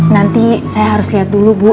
nanti saya harus lihat dulu bu